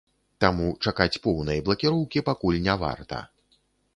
Таму чакаць поўнай блакіроўкі пакуль не варта.